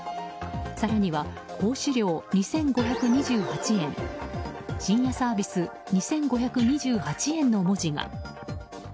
更には奉仕料２５２８円深夜サービス２５２８円の文字が。